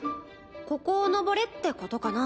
ここを上れってことかな？